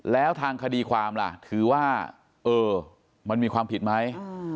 แล้วทางคดีความล่ะถือว่าเออมันมีความผิดไหม